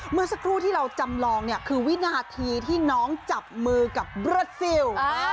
เมื่อสักครู่ที่เราจำลองเนี่ยคือวินาทีที่น้องจับมือกับบรัสซิล